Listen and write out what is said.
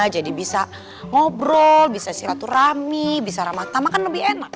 jadi bisa ngobrol bisa siraturami bisa ramadhan makan lebih enak